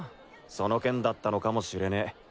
その件だったのかもしれねぇ。